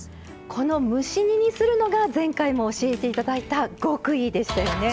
この蒸し煮にするのが前回も教えて頂いた極意でしたよね。